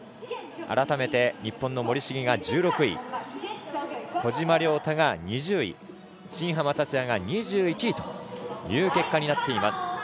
改めて、日本の森重が１６位小島良太が２０位新濱立也が２１位という結果になっています。